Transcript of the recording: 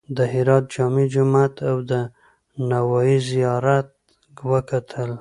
د هرات جامع جومات او د نوایي زیارت وکتل.